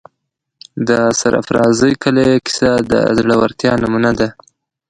د سرافرازۍ قلعې کیسه د زړه ورتیا نمونه ده.